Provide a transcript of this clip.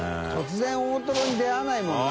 輿大トロに出あわないもんな。